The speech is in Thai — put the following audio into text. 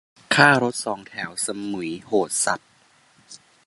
ค่ารถสองแถวสมุยโหดสัส